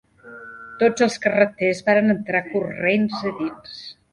Tots els carreters varen entrar corrents a dins.